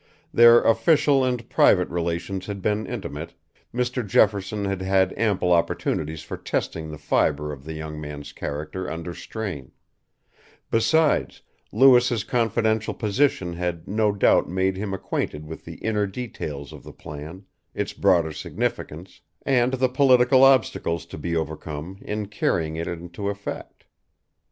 Their official and private relations had been intimate; Mr. Jefferson had had ample opportunities for testing the fibre of the young man's character under strain; besides, Lewis's confidential position had no doubt made him acquainted with the inner details of the plan, its broader significance, and the political obstacles to be overcome in carrying it into effect.